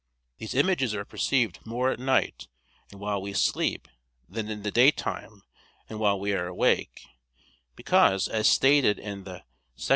These images are perceived more at night and while we sleep than in the daytime and while we are awake, because, as stated in _De Somn.